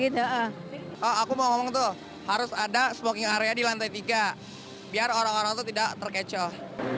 gitu aku mau nge review harus ada smoking area di lantai tiga biar orang orang tidak terkecoh